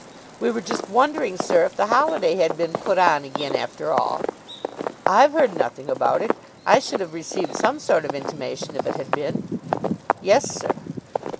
"We were just wondering, sir, if the holiday had been put on again, after all." "I've heard nothing about it. I should have received some sort of intimation if it had been." "Yes, sir."